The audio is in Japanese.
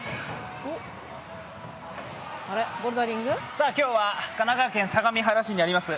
わぁ今日は神奈川県相模原市にあります